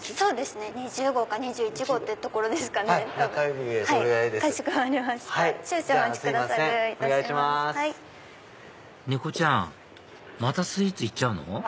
ねこちゃんまたスイーツ行っちゃうの？